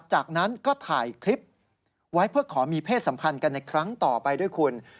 จากนั้นก็ถ่ายคลิปไว้เพื่อขอมีเพศสัมพันธ์กันในครั้งต่อไปด้วยคุณ